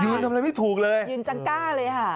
ยืนจังก้าเลยค่ะ